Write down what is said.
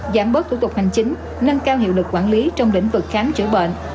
giảm bớt thủ tục hành chính nâng cao hiệu lực quản lý trong lĩnh vực khám chữa bệnh